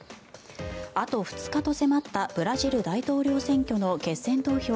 あと２日と迫ったブラジル大統領選挙の決選投票。